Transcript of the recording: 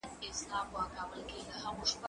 زه هره ورځ کتابتوننۍ سره وخت تېرووم!؟